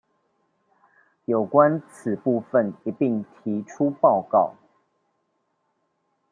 有關此部分一併提出報告